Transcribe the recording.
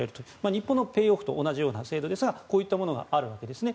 日本のペイオフと同じような制度ですがこういったものがあるわけですね。